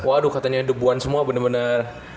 waduh katanya dubuhan semua bener bener